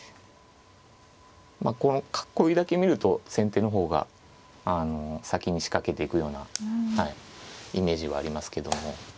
まあこの囲いだけ見ると先手の方が先に仕掛けていくようなイメージはありますけども。